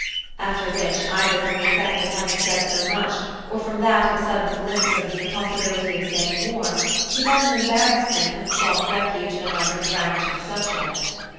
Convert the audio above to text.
After which, either from the effect of having said so much or from that of a sudden glimpse of the impossibility of saying more, she felt an embarrassment and sought refuge in a minor branch of the subject.